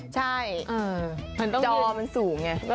จอมันสูงไง